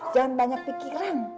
jangan banyak pikiran